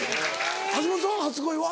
橋本さんは初恋は？